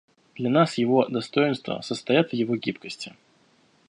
Для нас его достоинства состоят в его гибкости.